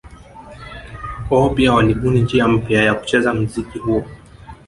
Wao pia walibuni njia mpya ya kucheza mziki huo